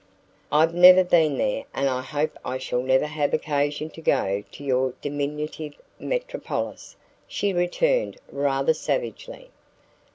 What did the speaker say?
"I've never been there and hope I shall never have occasion to go to your diminutive metropolis," she returned rather savagely.